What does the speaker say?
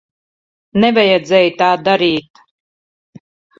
Nevajadzēja tā darīt.